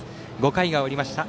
５回が終わりました。